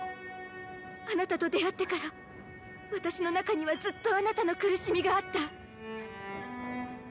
あなたと出会ってから私の中にはずっとあなたの苦しみがあった。